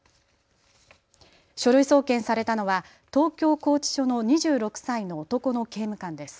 書類送検されたのは東京拘置所の２６歳の男の刑務官です。